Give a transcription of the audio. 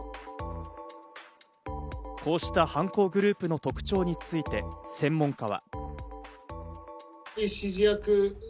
こうした犯行グループの特徴について専門家は。